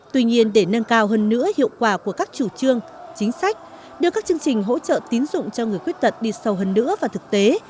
tuy nhiên để nâng cao hơn nữa hiệu quả của các chủ trương chính sách đưa các chương trình hỗ trợ tín dụng cho người khuyết tật đi sâu hơn nữa vào thực tế